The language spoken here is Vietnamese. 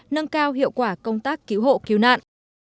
nâng cao hiệu quả công tác cứu hộ cứu nạn